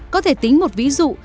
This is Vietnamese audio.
có thể tính một ví dụ